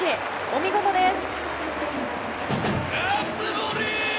お見事です。